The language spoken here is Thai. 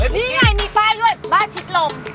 นี่ไงมีป้ายด้วยบ้านชิดลม